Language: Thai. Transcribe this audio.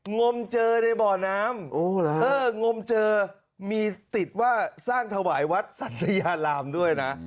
งมเจอในบ่อน้ำงมเจอมีติดว่าสร้างถวายวัดสัตยาลามด้วยนะ